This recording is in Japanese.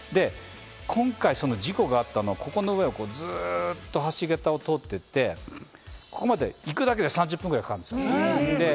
今回、事故があったのはここの上をずっと橋げたを通って行って、ここまで行くだけで３０分ぐらいかかるんです。